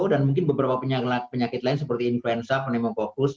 dan mungkin beberapa penyakit lain seperti influenza penemofokus